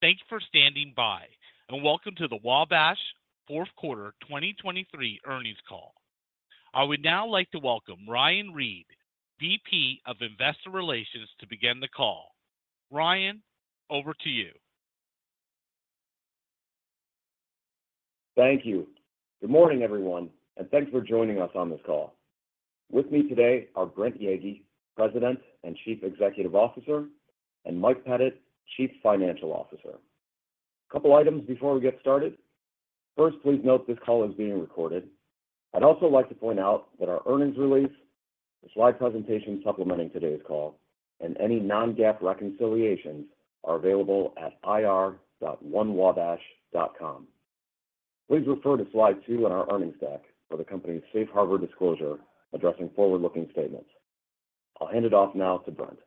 Thanks for standing by, and welcome to the Wabash fourth quarter 2023 earnings call. I would now like to welcome Ryan Reed, VP of Investor Relations, to begin the call. Ryan, over to you. Thank you. Good morning, everyone, and thanks for joining us on this call. With me today are Brent Yeagy, President and Chief Executive Officer, and Mike Pettit, Chief Financial Officer. A couple items before we get started. First, please note this call is being recorded. I'd also like to point out that our earnings release, the slide presentation supplementing today's call, and any non-GAAP reconciliations are available at ir.onewabash.com. Please refer to slide two in our earnings deck for the company's Safe Harbor disclosure addressing forward-looking statements. I'll hand it off now to Brent.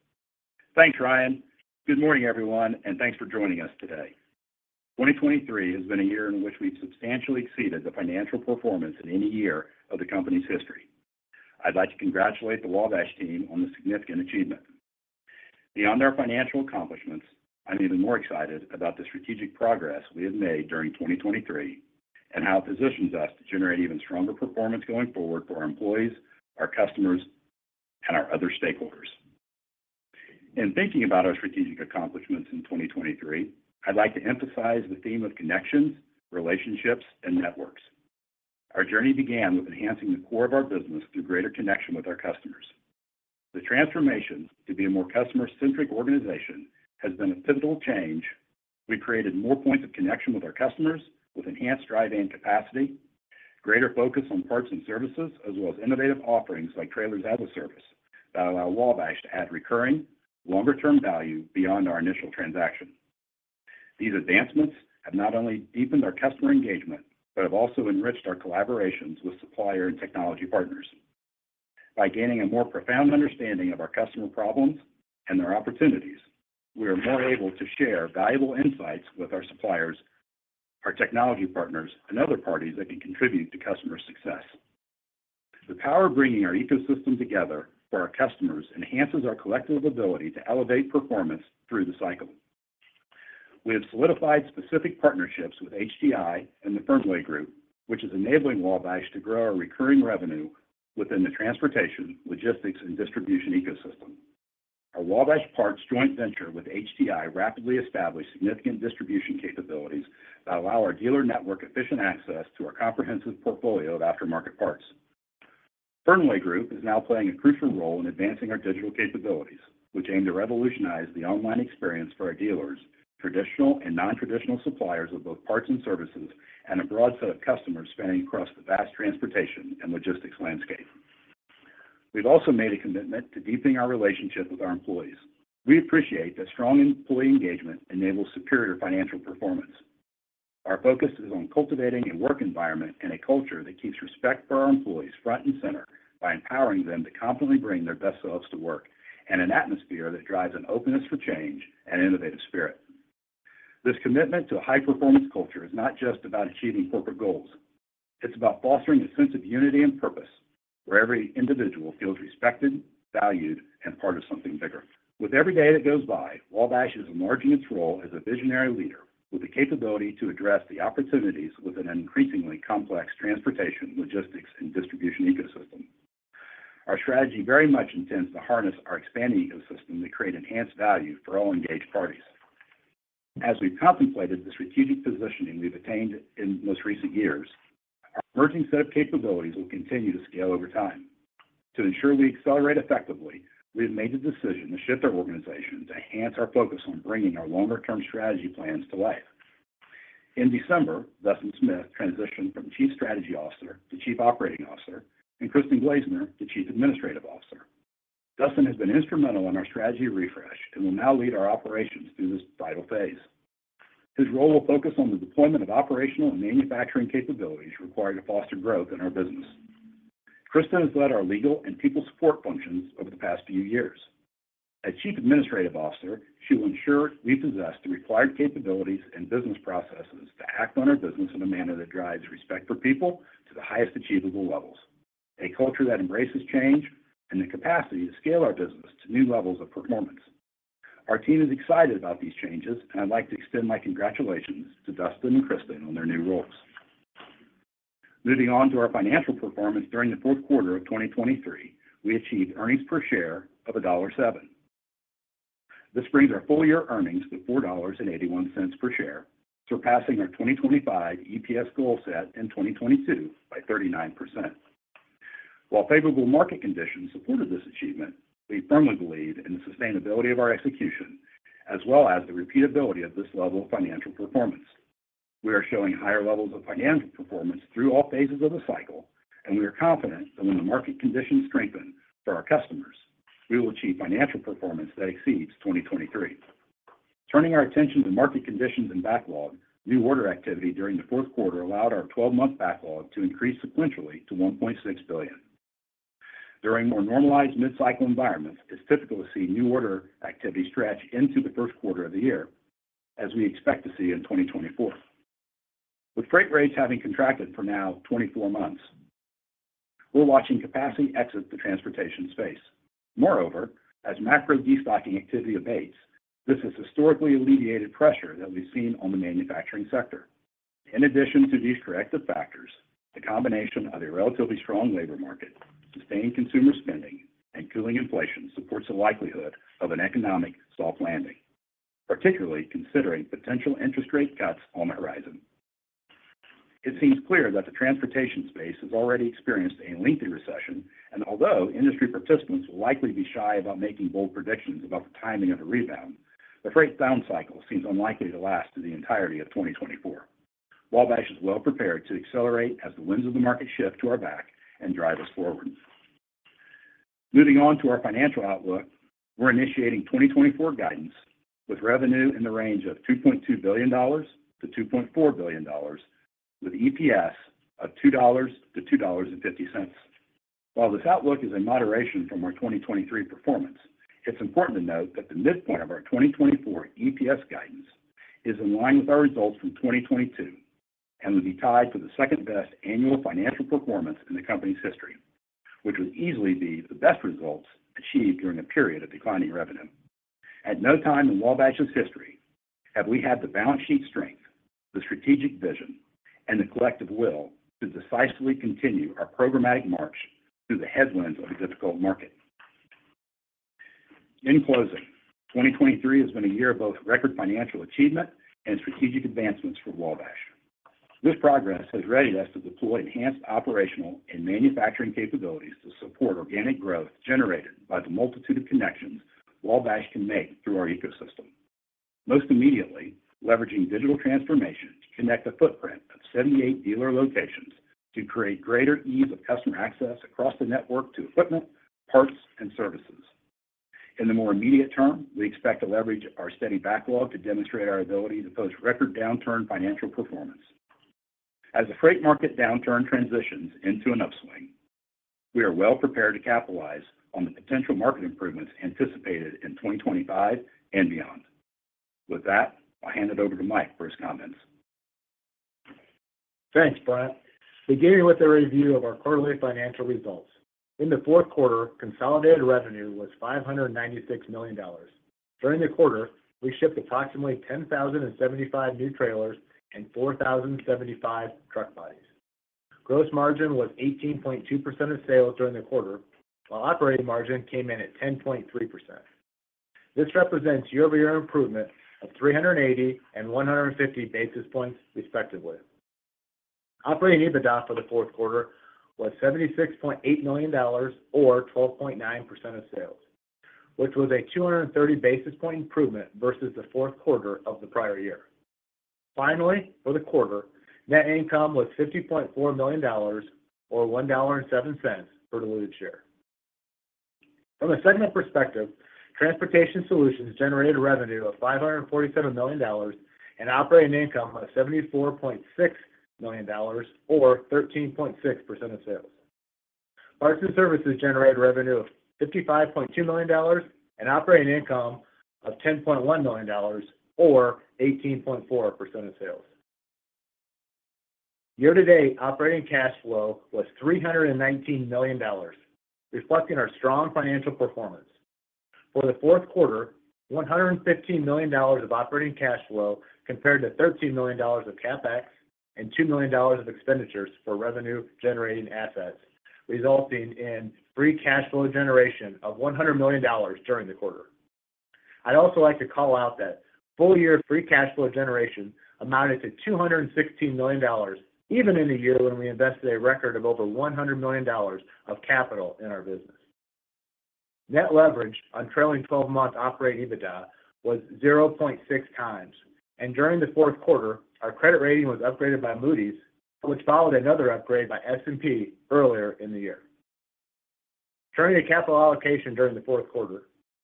Thanks, Ryan. Good morning, everyone, and thanks for joining us today. 2023 has been a year in which we've substantially exceeded the financial performance in any year of the company's history. I'd like to congratulate the Wabash team on this significant achievement. Beyond our financial accomplishments, I'm even more excited about the strategic progress we have made during 2023, and how it positions us to generate even stronger performance going forward for our employees, our customers, and our other stakeholders. In thinking about our strategic accomplishments in 2023, I'd like to emphasize the theme of connections, relationships, and networks. Our journey began with enhancing the core of our business through greater connection with our customers. The transformation to be a more customer-centric organization has been a pivotal change. We created more points of connection with our customers with enhanced dry van capacity, greater focus on parts and services, as well as innovative offerings like Trailers as a Service, that allow Wabash to add recurring, longer-term value beyond our initial transaction. These advancements have not only deepened our customer engagement, but have also enriched our collaborations with supplier and technology partners. By gaining a more profound understanding of our customer problems and their opportunities, we are more able to share valuable insights with our suppliers, our technology partners, and other parties that can contribute to customer success. The power of bringing our ecosystem together for our customers enhances our collective ability to elevate performance through the cycle. We have solidified specific partnerships with HDA and the Fernweh Group, which is enabling Wabash to grow our recurring revenue within the transportation, logistics, and distribution ecosystem. Our Wabash Parts joint venture with HDA rapidly established significant distribution capabilities that allow our dealer network efficient access to our comprehensive portfolio of aftermarket parts. Fernweh Group is now playing a crucial role in advancing our digital capabilities, which aim to revolutionize the online experience for our dealers, traditional and nontraditional suppliers of both parts and services, and a broad set of customers spanning across the vast transportation and logistics landscape. We've also made a commitment to deepening our relationship with our employees. We appreciate that strong employee engagement enables superior financial performance. Our focus is on cultivating a work environment and a culture that keeps respect for our employees front and center by empowering them to confidently bring their best selves to work, and an atmosphere that drives an openness for change and innovative spirit. This commitment to a high-performance culture is not just about achieving corporate goals. It's about fostering a sense of unity and purpose, where every individual feels respected, valued, and part of something bigger. With every day that goes by, Wabash is enlarging its role as a visionary leader with the capability to address the opportunities with an increasingly complex transportation, logistics, and distribution ecosystem. Our strategy very much intends to harness our expanding ecosystem to create enhanced value for all engaged parties. As we've contemplated the strategic positioning we've attained in most recent years, our emerging set of capabilities will continue to scale over time. To ensure we accelerate effectively, we have made the decision to shift our organization to enhance our focus on bringing our longer-term strategy plans to life. In December, Dustin Smith transitioned from Chief Strategy Officer to Chief Operating Officer, and Kristin Glazner to Chief Administrative Officer. Dustin has been instrumental in our strategy refresh and will now lead our operations through this vital phase. His role will focus on the deployment of operational and manufacturing capabilities required to foster growth in our business. Kristin has led our legal and people support functions over the past few years. As Chief Administrative Officer, she will ensure we possess the required capabilities and business processes to act on our business in a manner that drives respect for people to the highest achievable levels, a culture that embraces change and the capacity to scale our business to new levels of performance. Our team is excited about these changes, and I'd like to extend my congratulations to Dustin and Kristin on their new roles. Moving on to our financial performance. During the fourth quarter of 2023, we achieved earnings per share of $1.7. This brings our full-year earnings to $4.81 per share, surpassing our 2025 EPS goal set in 2022 by 39%. While favorable market conditions supported this achievement, we firmly believe in the sustainability of our execution, as well as the repeatability of this level of financial performance. We are showing higher levels of financial performance through all phases of the cycle, and we are confident that when the market conditions strengthen for our customers, we will achieve financial performance that exceeds 2023. Turning our attention to market conditions and backlog, new order activity during the fourth quarter allowed our twelve-month backlog to increase sequentially to $1.6 billion. During more normalized mid-cycle environments, it's typical to see new order activity stretch into the first quarter of the year, as we expect to see in 2024. With freight rates having contracted for now 24 months. We're watching capacity exit the transportation space. Moreover, as macro destocking activity abates, this has historically alleviated pressure that we've seen on the manufacturing sector. In addition to these corrective factors, the combination of a relatively strong labor market, sustained consumer spending, and cooling inflation supports the likelihood of an economic soft landing, particularly considering potential interest rate cuts on the horizon. It seems clear that the transportation space has already experienced a lengthy recession, and although industry participants will likely be shy about making bold predictions about the timing of a rebound, the freight down cycle seems unlikely to last through the entirety of 2024. Wabash is well prepared to accelerate as the winds of the market shift to our back and drive us forward. Moving on to our financial outlook, we're initiating 2024 guidance with revenue in the range of $2.2 billion-$2.4 billion, with EPS of $2-$2.50. While this outlook is a moderation from our 2023 performance, it's important to note that the midpoint of our 2024 EPS guidance is in line with our results from 2022, and would be tied for the second-best annual financial performance in the company's history, which would easily be the best results achieved during a period of declining revenue. At no time in Wabash's history have we had the balance sheet strength, the strategic vision, and the collective will to decisively continue our programmatic march through the headwinds of a difficult market. In closing, 2023 has been a year of both record financial achievement and strategic advancements for Wabash. This progress has readied us to deploy enhanced operational and manufacturing capabilities to support organic growth generated by the multitude of connections Wabash can make through our ecosystem. Most immediately, leveraging digital transformation to connect a footprint of 78 dealer locations to create greater ease of customer access across the network to equipment, parts, and services. In the more immediate term, we expect to leverage our steady backlog to demonstrate our ability to post record downturn financial performance. As the freight market downturn transitions into an upswing, we are well prepared to capitalize on the potential market improvements anticipated in 2025 and beyond. With that, I'll hand it over to Mike for his comments. Thanks, Brent. Beginning with a review of our quarterly financial results, in the fourth quarter, consolidated revenue was $596 million. During the quarter, we shipped approximately 10,075 new trailers and 4,075 truck bodies. Gross margin was 18.2% of sales during the quarter, while operating margin came in at 10.3%. This represents year-over-year improvement of 380 and 150 basis points, respectively. Operating EBITDA for the fourth quarter was $76.8 million, or 12.9% of sales, which was a 230 basis point improvement versus the fourth quarter of the prior year. Finally, for the quarter, net income was $50.4 million, or $1.07 per diluted share. From a segment perspective, Transportation Solutions generated revenue of $547 million, and operating income of $74.6 million, or 13.6% of sales. Parts and Services generated revenue of $55.2 million, and operating income of $10.1 million, or 18.4% of sales. Year-to-date, operating cash flow was $319 million, reflecting our strong financial performance. For the fourth quarter, $115 million of operating cash flow compared to $13 million of CapEx and $2 million of expenditures for revenue-generating assets, resulting in free cash flow generation of $100 million during the quarter. I'd also like to call out that full-year free cash flow generation amounted to $216 million, even in a year when we invested a record of over $100 million of capital in our business. Net leverage on trailing twelve-month operating EBITDA was 0.6 times, and during the fourth quarter, our credit rating was upgraded by Moody's, which followed another upgrade by S&P earlier in the year. Turning to capital allocation during the fourth quarter,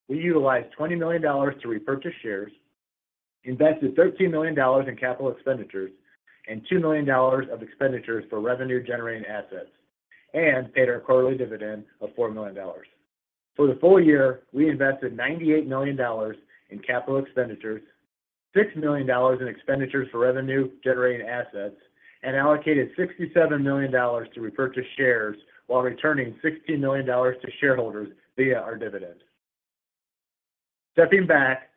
we utilized $20 million to repurchase shares, invested $13 million in capital expenditures, and $2 million of expenditures for revenue-generating assets, and paid our quarterly dividend of $4 million. For the full year, we invested $98 million in capital expenditures, $6 million in expenditures for revenue-generating assets, and allocated $67 million to repurchase shares while returning $16 million to shareholders via our dividend. Stepping back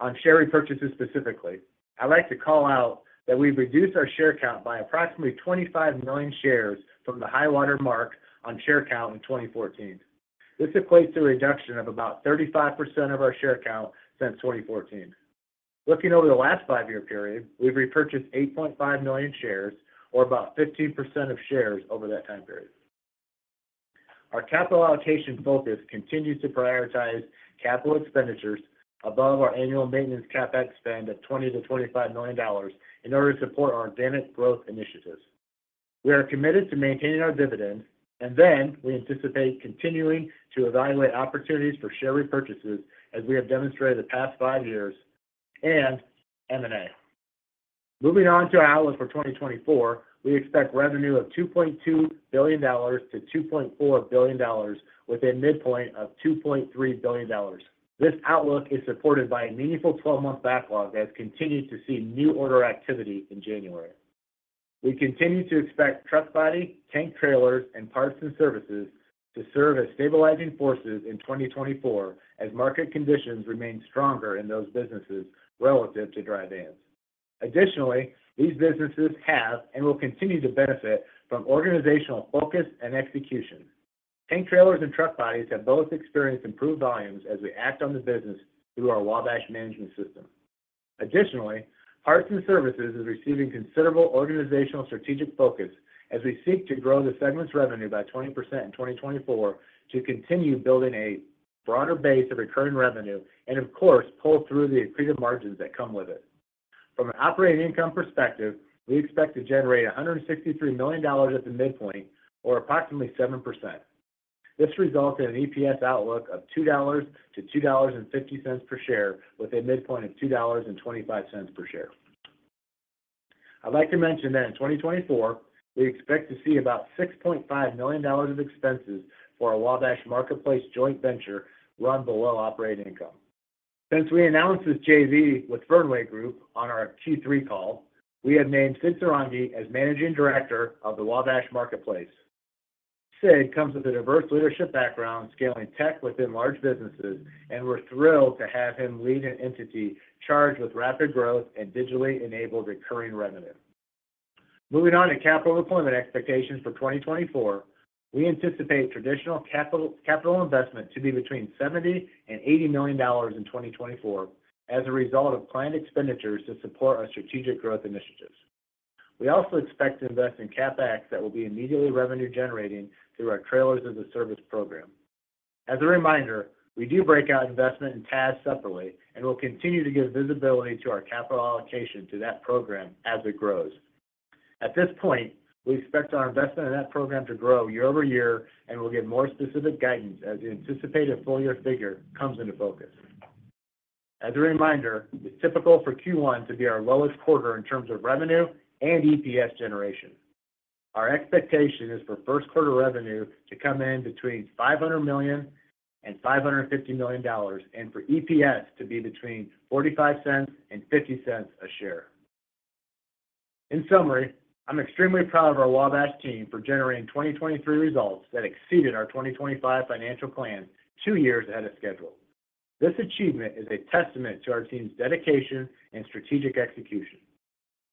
on share repurchases specifically, I'd like to call out that we've reduced our share count by approximately 25 million shares from the high-water mark on share count in 2014. This equates to a reduction of about 35% of our share count since 2014. Looking over the last five-year period, we've repurchased 8.5 million shares, or about 15% of shares over that time period. Our capital allocation focus continues to prioritize capital expenditures above our annual maintenance CapEx spend of $20-$25 million in order to support our organic growth initiatives. We are committed to maintaining our dividend, and then we anticipate continuing to evaluate opportunities for share repurchases as we have demonstrated the past five years, and M&A. Moving on to our outlook for 2024, we expect revenue of $2.2 billion-$2.4 billion, with a midpoint of $2.3 billion. This outlook is supported by a meaningful twelve-month backlog that has continued to see new order activity in January. We continue to expect truck body, tank trailers, and Parts and Services to serve as stabilizing forces in 2024 as market conditions remain stronger in those businesses relative to dry vans. Additionally, these businesses have and will continue to benefit from organizational focus and execution. Tank trailers and truck bodies have both experienced improved volumes as we act on the business through our Wabash Management System. Additionally, Parts and Services is receiving considerable organizational strategic focus as we seek to grow the segment's revenue by 20% in 2024, to continue building a broader base of recurring revenue and, of course, pull through the accretive margins that come with it. From an operating income perspective, we expect to generate $163 million at the midpoint, or approximately 7%. This results in an EPS outlook of $2-$2.50 per share, with a midpoint of $2.25 per share. I'd like to mention that in 2024, we expect to see about $6.5 million of expenses for our Wabash Marketplace joint venture run below operating income. Since we announced this JV with Fernweh Group on our Q3 call, we have named Sid Sarangi as Managing Director of the Wabash Marketplace. Sid comes with a diverse leadership background, scaling tech within large businesses, and we're thrilled to have him lead an entity charged with rapid growth and digitally enabled recurring revenue. Moving on to capital deployment expectations for 2024, we anticipate traditional capital, capital investment to be between $70 and $80 million in 2024 as a result of planned expenditures to support our strategic growth initiatives. We also expect to invest in CapEx that will be immediately revenue generating through our Trailers-as-a-Service program. As a reminder, we do break out investment in TaaS separately and will continue to give visibility to our capital allocation to that program as it grows. At this point, we expect our investment in that program to grow year-over-year, and we'll give more specific guidance as the anticipated full year figure comes into focus. As a reminder, it's typical for Q1 to be our lowest quarter in terms of revenue and EPS generation. Our expectation is for first quarter revenue to come in between $500 million and $550 million, and for EPS to be between $0.45 and $0.50 a share. In summary, I'm extremely proud of our Wabash team for generating 2023 results that exceeded our 2025 financial plan two years ahead of schedule. This achievement is a testament to our team's dedication and strategic execution.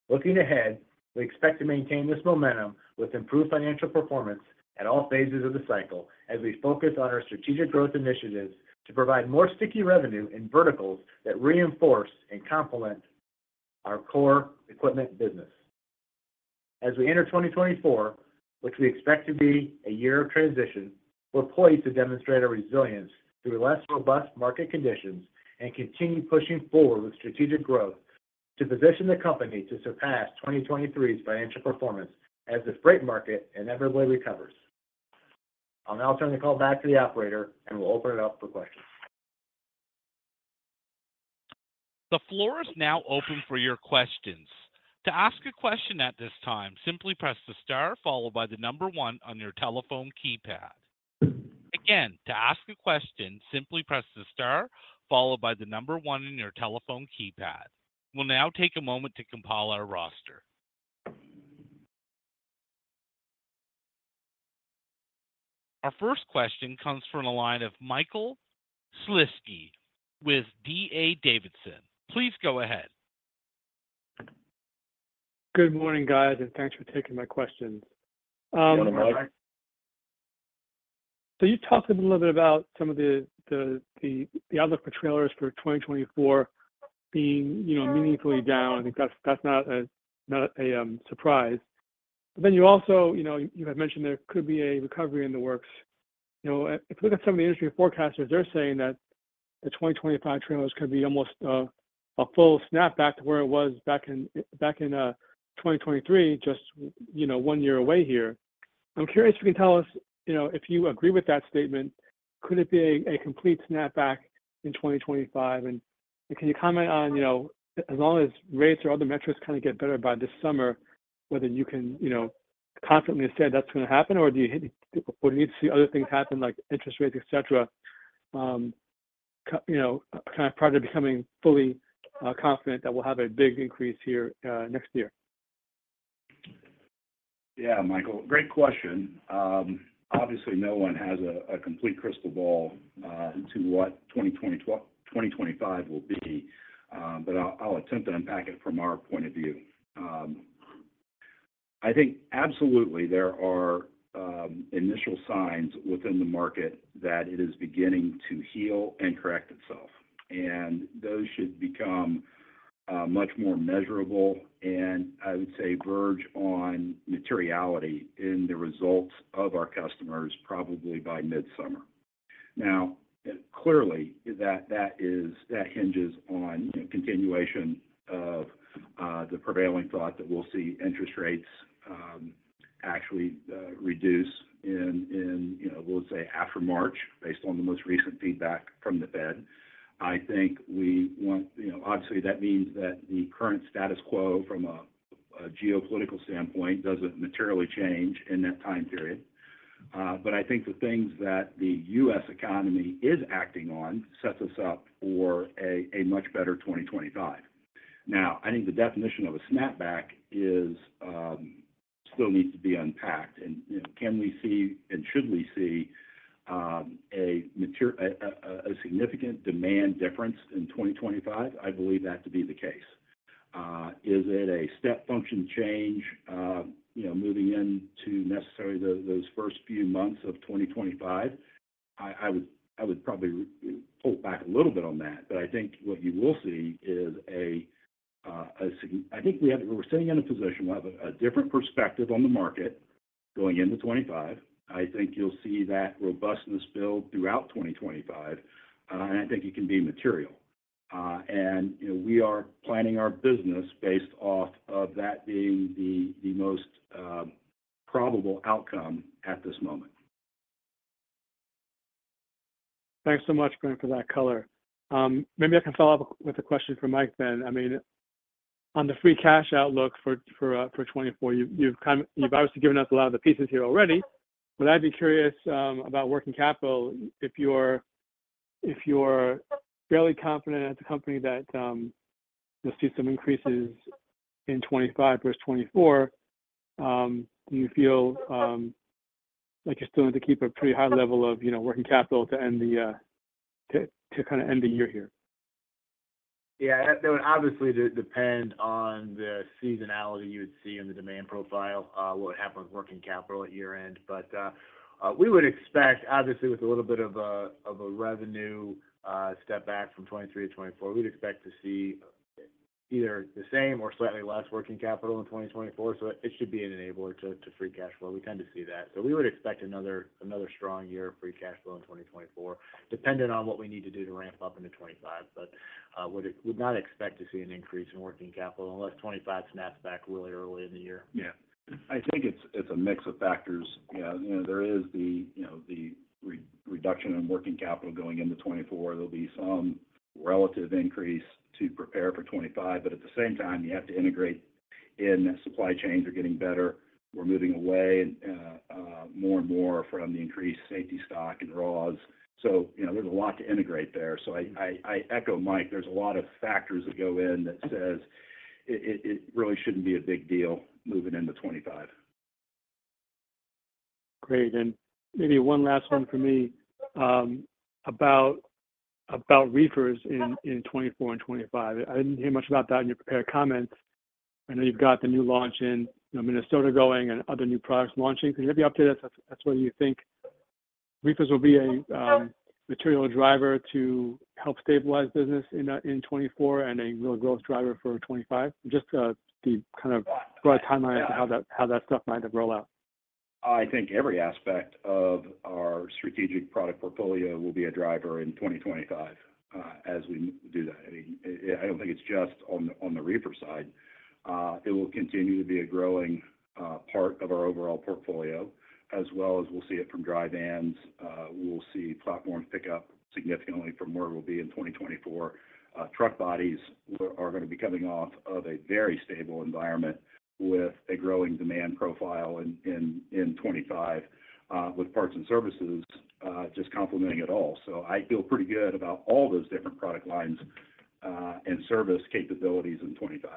Looking ahead, we expect to maintain this momentum with improved financial performance at all phases of the cycle as we focus on our strategic growth initiatives to provide more sticky revenue in verticals that reinforce and complement our core equipment business. As we enter 2024, which we expect to be a year of transition, we're poised to demonstrate our resilience through less robust market conditions and continue pushing forward with strategic growth to position the company to surpass 2023's financial performance as this great market inevitably recovers. I'll now turn the call back to the operator, and we'll open it up for questions. The floor is now open for your questions. To ask a question at this time, simply press the star followed by the number one on your telephone keypad. Again, to ask a question, simply press the star followed by the number one on your telephone keypad. We'll now take a moment to compile our roster. Our first question comes from the line of Michael Shlisky with DA Davidson. Please go ahead. Good morning, guys, and thanks for taking my questions. Good morning, Mike. So you talked a little bit about some of the outlook for trailers for 2024 being, you know, meaningfully down. I think that's not a surprise. But then you also, you know, you had mentioned there could be a recovery in the works. You know, if you look at some of the industry forecasters, they're saying that the 2025 trailers could be almost a full snapback to where it was back in 2023, just you know, one year away here. I'm curious if you can tell us, you know, if you agree with that statement, could it be a complete snapback in 2025? Can you comment on, you know, as long as rates or other metrics kind of get better by this summer, whether you can, you know, confidently say that's going to happen, or, would we need to see other things happen, like interest rates, et cetera, you know, kind of prior to becoming fully confident that we'll have a big increase here next year? Yeah, Michael, great question. Obviously, no one has a complete crystal ball to what 2025 will be, but I'll attempt to unpack it from our point of view. I think absolutely there are initial signs within the market that it is beginning to heal and correct itself, and those should become much more measurable and, I would say, verge on materiality in the results of our customers, probably by midsummer. Now, clearly, that is, that hinges on continuation of the prevailing thought that we'll see interest rates actually reduce in, you know, we'll say after March, based on the most recent feedback from the Fed. I think we want, you know, obviously, that means that the current status quo from a geopolitical standpoint doesn't materially change in that time period. But I think the things that the US economy is acting on sets us up for a much better 2025. Now, I think the definition of a snapback is still needs to be unpacked. You know, can we see, and should we see, a significant demand difference in 2025? I believe that to be the case. Is it a step function change, you know, moving into necessarily those first few months of 2025? I would probably pull back a little bit on that. But I think what you will see is. I think we're sitting in a position where we have a different perspective on the market going into 2025. I think you'll see that robustness build throughout 2025, and I think it can be material. And, you know, we are planning our business based off of that being the most probable outcome at this moment. Thanks so much, Brent, for that color. Maybe I can follow up with a question for Mike then. I mean, on the free cash outlook for 2024, you've kind of, you've obviously given us a lot of the pieces here already, but I'd be curious about working capital. If you're fairly confident as a company that you'll see some increases in 2025 versus 2024, do you feel like you're still going to keep a pretty high level of, you know, working capital to end the year here? Yeah, that would obviously depend on the seasonality you would see in the demand profile, what would happen with working capital at year-end. But, we would expect, obviously, with a little bit of a, of a revenue, step back from 2023 to 2024, we'd expect to see either the same or slightly less working capital in 2024. So it should be an enabler to free cash flow. We tend to see that. So we would expect another strong year of free cash flow in 2024, depending on what we need to do to ramp up into 2025. But, we would not expect to see an increase in working capital unless 2025 snaps back really early in the year. Yeah. I think it's a mix of factors. Yeah, you know, there is the, you know, the reduction in working capital going into 2024. There'll be some relative increase to prepare for 2025, but at the same time, you have to integrate in. Supply chains are getting better. We're moving away more and more from the increased safety stock and raws. So, you know, there's a lot to integrate there. So I echo Mike, there's a lot of factors that go in that says it really shouldn't be a big deal moving into 2025. Great. Maybe one last one for me, about reefers in 2024 and 2025. I didn't hear much about that in your prepared comments. I know you've got the new launch in Minnesota going and other new products launching. Can you give me an update as to whether you think reefers will be a material driver to help stabilize business in 2024 and a real growth driver for 2025? Just the kind of broad timeline of how that stuff might roll out. I think every aspect of our strategic product portfolio will be a driver in 2025, as we do that. I don't think it's just on the Reefer side. It will continue to be a growing part of our overall portfolio, as well as we'll see it from Dry Vans. We'll see Platforms pick up significantly from where we'll be in 2024. Truck Bodies are going to be coming off of a very stable environment, with a growing demand profile in 2025, with Parts and Services just complementing it all. So I feel pretty good about all those different product lines and service capabilities in 2025.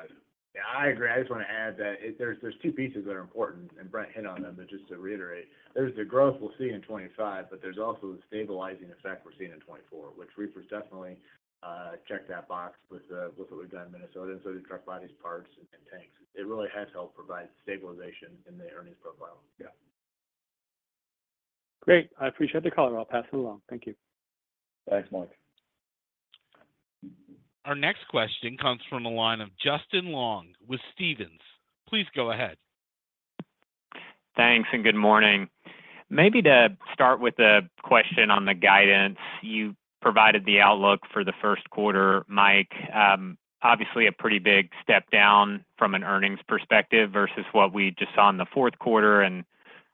Yeah, I agree. I just want to add that there's two pieces that are important, and Brent hit on them, but just to reiterate. There's the growth we'll see in 2025, but there's also the stabilizing effect we're seeing in 2024, which reefers definitely check that box with what we've done in Minnesota, and so do truck bodies, parts, and tanks. It really has helped provide stabilization in the earnings profile. Yeah. Great. I appreciate the call, and I'll pass it along. Thank you. Thanks, Mike. Our next question comes from the line of Justin Long with Stephens. Please go ahead. Thanks, and good morning. Maybe to start with a question on the guidance, you provided the outlook for the first quarter, Mike. Obviously a pretty big step down from an earnings perspective versus what we just saw in the fourth quarter, and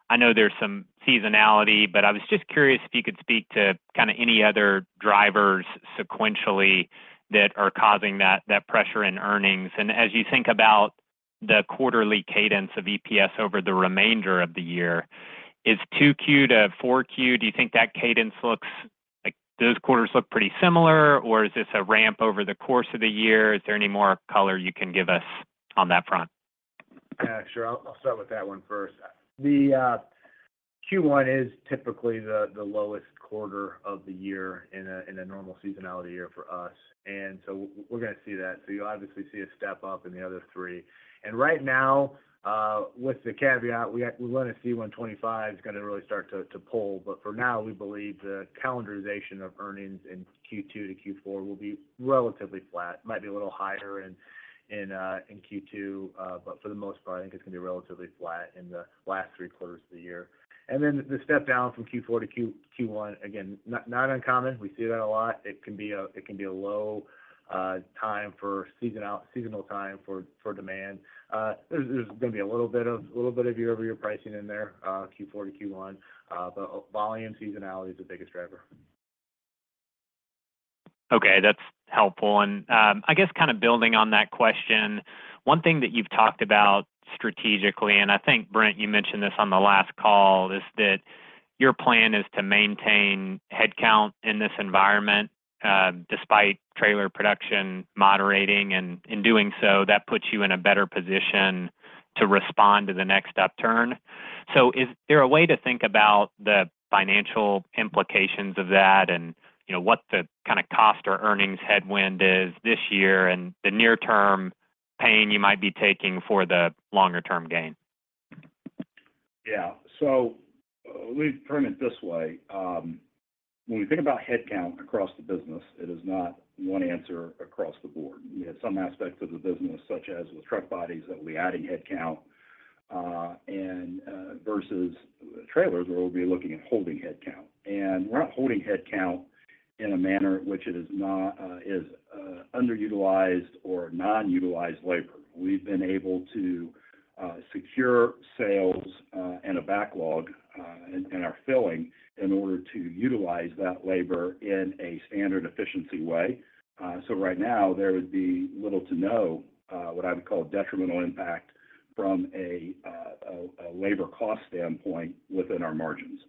I know there's some seasonality, but I was just curious if you could speak to kind of any other drivers sequentially that are causing that, that pressure in earnings. And as you think about the quarterly cadence of EPS over the remainder of the year, is 2Q to 4Q, do you think that cadence looks like those quarters look pretty similar, or is this a ramp over the course of the year? Is there any more color you can give us on that front? Yeah, sure. I'll start with that one first. The Q1 is typically the lowest quarter of the year in a normal seasonality year for us, and so we're going to see that. So you'll obviously see a step up in the other three. And right now, with the caveat, we have we want to see when 2025 is going to really start to pull, but for now, we believe the calendarization of earnings in Q2 to Q4 will be relatively flat. Might be a little higher in Q2, but for the most part, I think it's going to be relatively flat in the last three quarters of the year. And then the step down from Q4 to Q1, again, not uncommon. We see that a lot. It can be a low time for seasonal demand. There's going to be a little bit of year-over-year pricing in there, Q4 to Q1, but volume seasonality is the biggest driver. Okay, that's helpful. And, I guess kind of building on that question, one thing that you've talked about strategically, and I think, Brent, you mentioned this on the last call, is that your plan is to maintain headcount in this environment, despite trailer production moderating, and in doing so, that puts you in a better position to respond to the next upturn. So is there a way to think about the financial implications of that and, you know, what the kind of cost or earnings headwind is this year and the near-term pain you might be taking for the longer term gain? Yeah. So let me frame it this way. When we think about headcount across the business, it is not one answer across the board. You have some aspects of the business, such as with truck bodies, that we'll be adding headcount and versus trailers, where we'll be looking at holding headcount. And we're not holding headcount in a manner which it is not underutilized or non-utilized labor. We've been able to secure sales and a backlog and are filling in order to utilize that labor in a standard efficiency way. So right now, there would be little to no what I would call detrimental impact from a labor cost standpoint within our margins.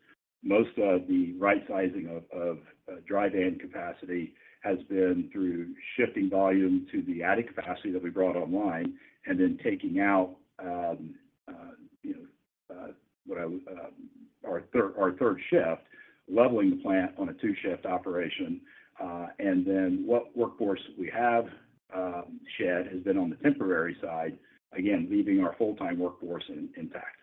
Most of the right sizing of Dry Van capacity has been through shifting volume to the added capacity that we brought online and then taking out our third shift, leveling the plant on a two-shift operation. What workforce we have shed has been on the temporary side, again, leaving our full-time workforce intact.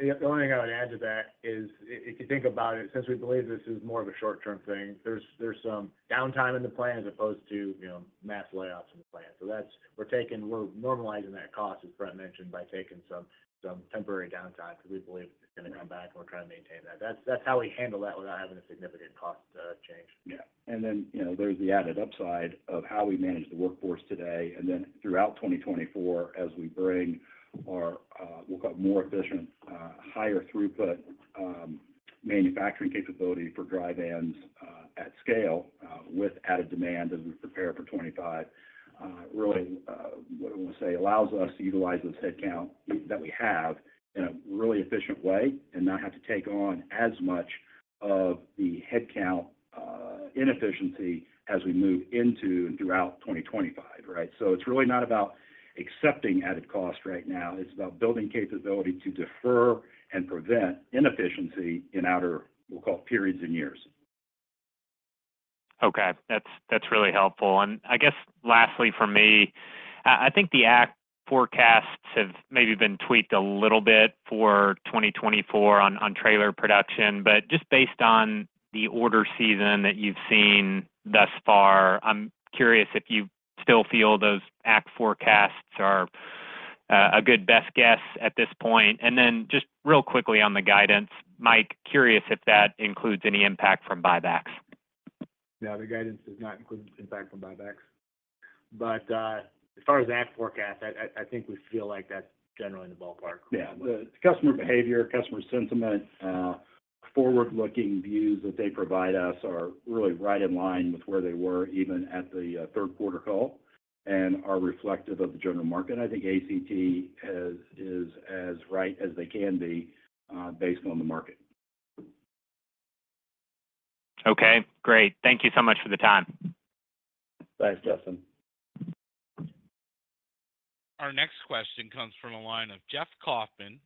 The only thing I would add to that is, if you think about it, since we believe this is more of a short-term thing, there's some downtime in the plan as opposed to, you know, mass layoffs in the plan. That's, we're taking, we're normalizing that cost, as Brent mentioned, by taking some temporary downtime, because we believe it's going to come back, and we're trying to maintain that. That's how we handle that without having a significant cost change. Yeah. And then, you know, there's the added upside of how we manage the workforce today, and then throughout 2024, as we bring our, we've got more efficient, higher throughput, manufacturing capability for dry vans, at scale, with added demand as we prepare for 2025, really, what I want to say, allows us to utilize this headcount that we have in a really efficient way and not have to take on as much of the headcount, inefficiency as we move into and throughout 2025, right? So it's really not about accepting added cost right now, it's about building capability to defer and prevent inefficiency in outer, we'll call periods and years. Okay. That's, that's really helpful. And I guess lastly, for me, I think the ACT forecasts have maybe been tweaked a little bit for 2024 on, on trailer production, but just based on the order season that you've seen thus far, I'm curious if you still feel those ACT forecasts are a good best guess at this point. And then just real quickly on the guidance, Mike, curious if that includes any impact from buybacks. No, the guidance does not include impact from buybacks. But, as far as ACT forecast, I think we feel like that's generally in the ballpark. Yeah. The customer behavior, customer sentiment, forward-looking views that they provide us are really right in line with where they were, even at the third quarter call, and are reflective of the general market. I think ACT is as right as they can be, based on the market. Okay, great. Thank you so much for the time. Thanks, Justin. Our next question comes from a line of Jeff Kauffman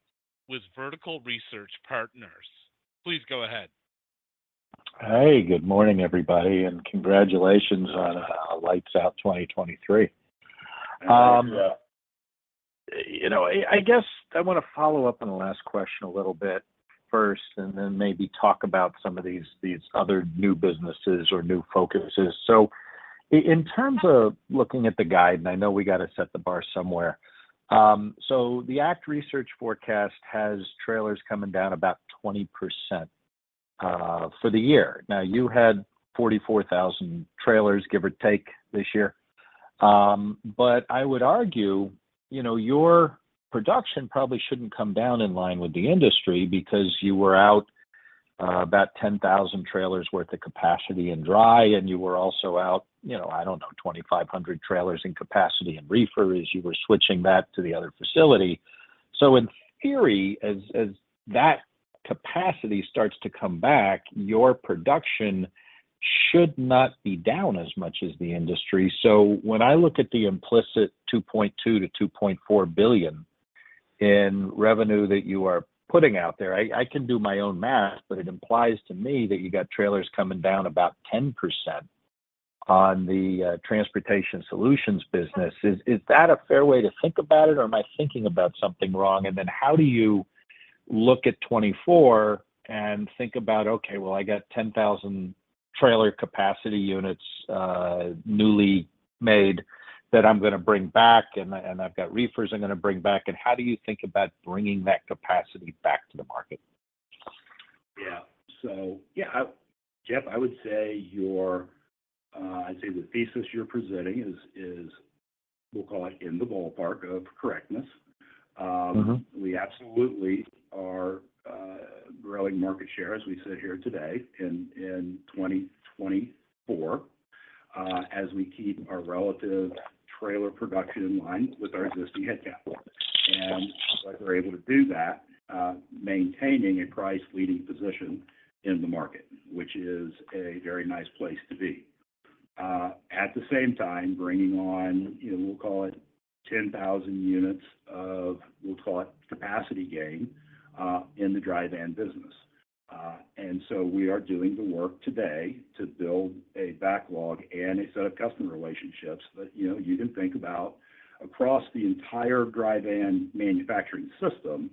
with Vertical Research Partners. Please go ahead. Hey, good morning, everybody, and congratulations on lights out 2023. Yeah. You know, I guess I want to follow up on the last question a little bit first, and then maybe talk about some of these, these other new businesses or new focuses. So in terms of looking at the guide, and I know we got to set the bar somewhere, so the ACT Research forecast has trailers coming down about 20%, for the year. Now, you had 44,000 trailers, give or take, this year. But I would argue, you know, your production probably shouldn't come down in line with the industry because you were out, about 10,000 trailers worth of capacity in dry, and you were also out, you know, I don't know, 2,500 trailers in capacity in reefer as you were switching back to the other facility. So in theory, as that capacity starts to come back, your production should not be down as much as the industry. So when I look at the implicit $2.2 billion-$2.4 billion in revenue that you are putting out there, I can do my own math, but it implies to me that you got trailers coming down about 10% on the transportation solutions business. Is that a fair way to think about it, or am I thinking about something wrong? And then how do you look at 2024 and think about, "Okay, well, I got 10,000 trailer capacity units, newly made that I'm going to bring back, and I've got reefers I'm going to bring back." And how do you think about bringing that capacity back to the market? Yeah. So, yeah, Jeff, I would say your, I'd say the thesis you're presenting is, we'll call it, in the ballpark of correctness. Mm-hmm. We absolutely are growing market share as we sit here today in 2024, as we keep our relative trailer production in line with our existing headcount. It looks like we're able to do that, maintaining a price-leading position in the market, which is a very nice place to be. At the same time, bringing on, you know, we'll call it 10,000 units of, we'll call it capacity gain, in the dry van business. And so we are doing the work today to build a backlog and a set of customer relationships that, you know, you can think about across the entire Dry Van manufacturing system,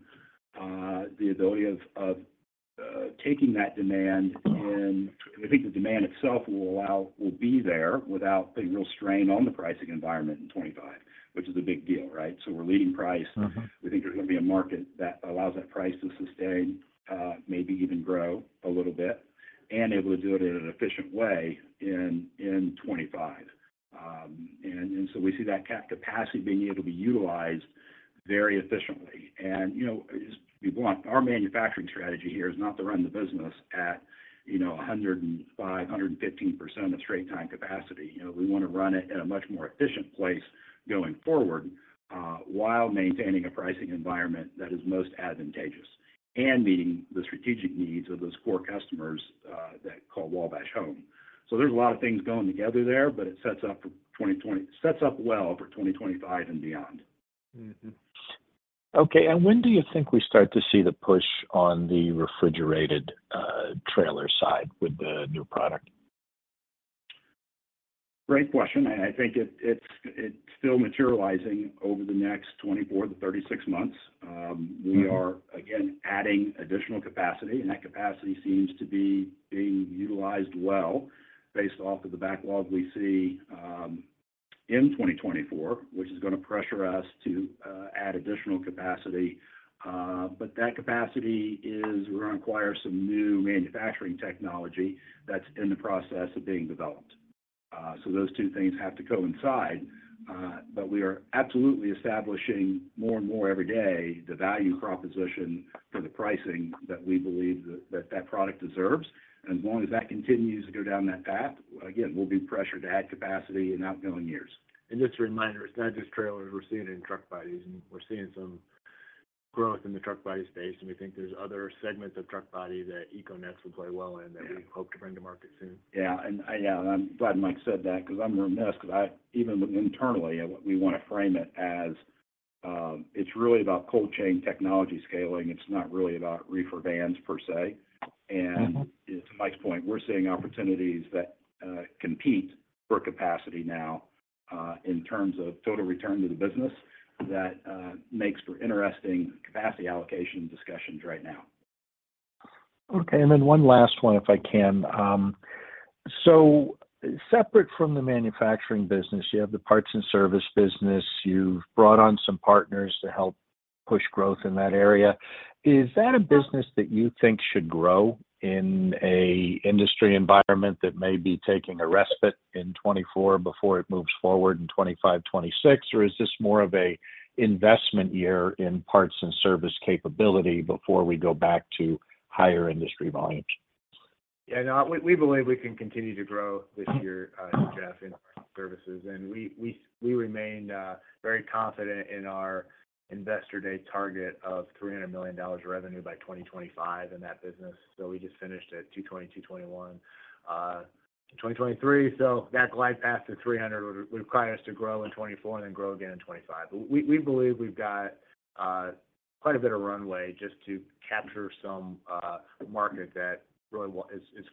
the ability of taking that demand, and we think the demand itself will be there without a real strain on the pricing environment in 2025, which is a big deal, right? So we're leading price. Mm-hmm. We think there's going to be a market that allows that price to sustain, maybe even grow a little bit, and able to do it in an efficient way in 2025. And so we see that capacity being able to be utilized very efficiently. And, you know, as we want, our manufacturing strategy here is not to run the business at, you know, 105, 115% of straight time capacity. You know, we want to run it at a much more efficient place going forward, while maintaining a pricing environment that is most advantageous and meeting the strategic needs of those core customers that call Wabash home. So there's a lot of things going together there, but it sets up well for 2025 and beyond. Mm-hmm. Okay, and when do you think we start to see the push on the refrigerated trailer side with the new product? Great question, and I think it's still materializing over the next 24-36 months. Yeah. We are, again, adding additional capacity, and that capacity seems to be being utilized well based off of the backlog we see in 2024, which is going to pressure us to add additional capacity. But that capacity is, we're going to acquire some new manufacturing technology that's in the process of being developed. So those two things have to coincide, but we are absolutely establishing more and more every day, the value proposition for the pricing that we believe that product deserves. And as long as that continues to go down that path, again, we'll be pressured to add capacity in outgoing years. Just a reminder, it's not just trailers. We're seeing it in truck bodies, and we're seeing some growth in the truck body space, and we think there's other segments of truck body that EcoNex will play well in- Yeah that we hope to bring to market soon. Yeah, and I'm glad Mike said that, 'cause I'm remiss, 'cause I, even internally, we want to frame it as it's really about cold chain technology scaling. It's not really about reefer vans per se. Mm-hmm. To Mike's point, we're seeing opportunities that compete for capacity now in terms of total return to the business. That makes for interesting capacity allocation discussions right now. Okay, and then one last one, if I can. So separate from the manufacturing business, you have the parts and service business. You've brought on some partners to help push growth in that area. Is that a business that you think should grow in an industry environment that may be taking a respite in 2024 before it moves forward in 2025, 2026? Or is this more of an investment year in parts and service capability before we go back to higher industry volumes? Yeah, no, we believe we can continue to grow this year, Jeff, in Parts and Services, and we remain very confident in our investor day target of $300 million revenue by 2025 in that business. So we just finished it, 2020, 2021, 2023. So that glide path to $300 million would require us to grow in 2024 and then grow again in 2025. But we believe we've got quite a bit of runway just to capture some market that really is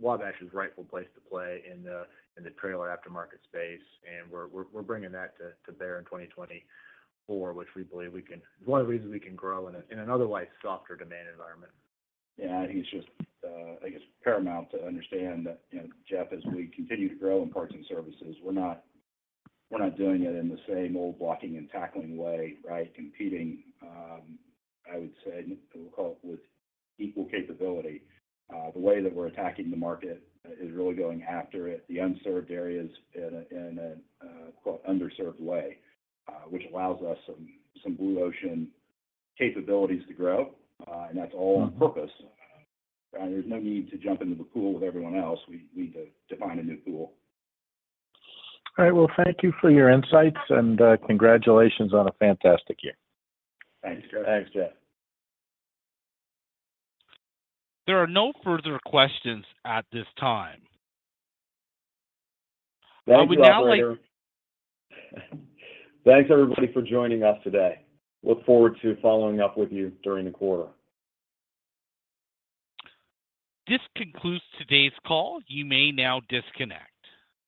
Wabash's rightful place to play in the trailer aftermarket space, and we're bringing that to bear in 2024, which we believe we can... One of the reasons we can grow in an otherwise softer demand environment. Yeah, I think it's just, I think it's paramount to understand that, you know, Jeff, as we continue to grow in parts and services, we're not, we're not doing it in the same old blocking and tackling way, right? Competing, I would say, we'll call it with equal capability. The way that we're attacking the market is really going after it, the unserved areas in a, in a, quote, "underserved way," which allows us some, some blue ocean capabilities to grow, and that's all on purpose. There's no need to jump into the pool with everyone else. We need to find a new pool. All right. Well, thank you for your insights, and congratulations on a fantastic year. Thanks, Jeff. Thanks, Jeff. There are no further questions at this time. We now like- Thanks, everybody, for joining us today. Look forward to following up with you during the quarter. This concludes today's call. You may now disconnect.